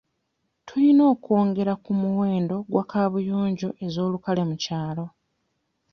Tuyina okwongera ku muwendo gwa kabuyonjo ez'olukale mu kyalo.